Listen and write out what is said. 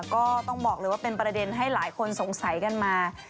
ก็ต้องบอกเลยว่าเป็นประเด็นให้หลายคนสงสัยกันมา